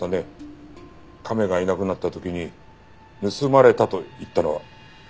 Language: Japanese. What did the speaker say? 亀がいなくなった時に「盗まれた」と言ったのは。